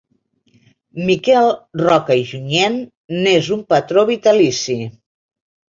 Miquel Roca i Junyent n'és un patró vitalici.